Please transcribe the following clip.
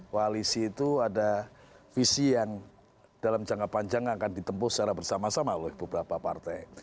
koalisi itu ada visi yang dalam jangka panjang akan ditempuh secara bersama sama oleh beberapa partai